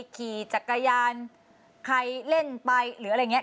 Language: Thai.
ขี่จักรยานใครเล่นไปหรืออะไรอย่างนี้